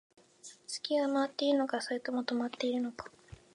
地球は回っているのか、それとも止まっているのか